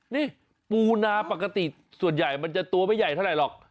นี่ปูนาปกติส่วนใหญ่มันจะตัวไม่ใหญ่เท่าไหร่หรอก